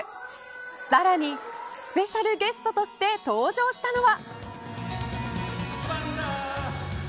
さらにスペシャルゲストとして登場したのは。